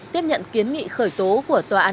tiếp nhận kiến nghị khởi tố của tòa án